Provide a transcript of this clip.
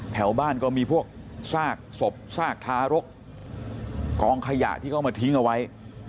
แถวบ้านก็มีพวกซากศพซากทารกกองขยะที่เขาเอามาทิ้งเอาไว้